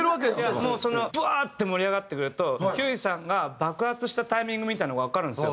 もうそのブワーッて盛り上がってくるとひゅーいさんが爆発したタイミングみたいのがわかるんですよ。